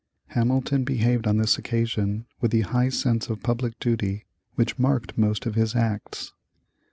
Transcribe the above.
Hamilton behaved on this occasion with the high sense of public duty which marked most of his acts.